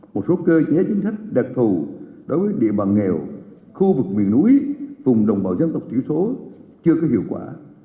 một số cơ chế chính sách đặc thù đối với địa bàn nghèo khu vực miền núi vùng đồng bào dân tộc thiểu số chưa có hiệu quả